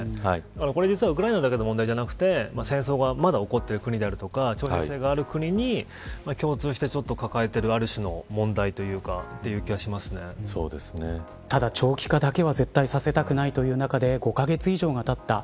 これ実はウクライナだけの問題ではなくて戦争がまだ起こってる国や徴兵制がある国に共通して抱えている、ある種のただ、長期化だけは絶対させたくないという中で５カ月以上がたった。